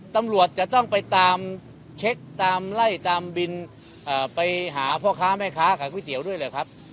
ตำรวจจะต้องไปตามเช็คตามไล่ตามบินไปหาพ่อค้าแม่ค้าขายก๋วยเตี๋ยวด้วยเหรอครับ